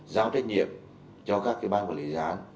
giao trách nhiệm cho các cái bán của lễ dự án